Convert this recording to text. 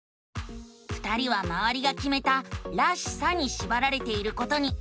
２人はまわりがきめた「らしさ」にしばられていることに気づくのさ！